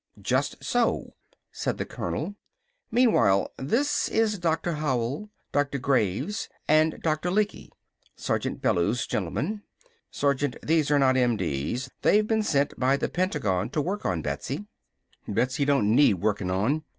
"Just so," said the colonel. "Meanwhile this is Doctor Howell, Doctor Graves, and Doctor Lecky. Sergeant Bellews, gentlemen. Sergeant, these are not MDs. They've been sent by the Pentagon to work on Betsy." "Betsy don't need workin' on!"